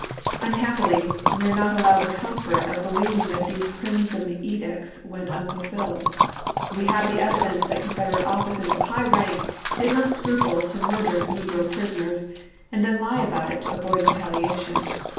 Unhappily, we are not allowed the comfort of believing that these crimson edicts went unfulfilled. We have the evidence that Con federate officers of high rank did not scruple to murder negro prisoners, and then lie about it to avoid retaliation.